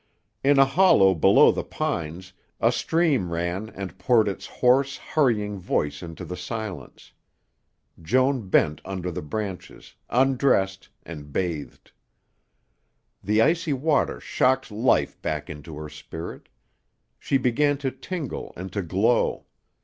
In a hollow below the pines a stream ran and poured its hoarse, hurrying voice into the silence. Joan bent under the branches, undressed and bathed. The icy water shocked life back into her spirit. She began to tingle and to glow.